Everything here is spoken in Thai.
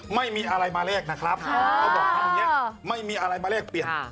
ไม่มีอะไรมาแรกนะครับไม่มีอะไรมาแรกเปลี่ยน